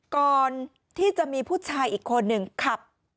ก่อนที่จะมีผู้ชายอีกคนหนึ่งขับ